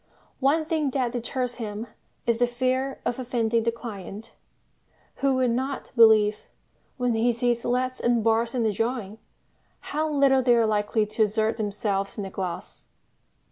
One thing that deters him is the fear of offending the client, who will not believe, when he sees leads and bars in a drawing, how little they are likely to assert themselves in the glass.